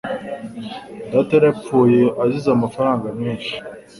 Data yarapfuye, asize amafaranga menshi